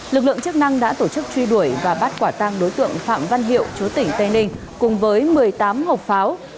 lực lượng chức năng đã tổ chức truy đuổi và bắt quả tăng đối tượng phạm văn hiệu chúa tỉnh tây ninh cùng với một mươi tám hộp pháo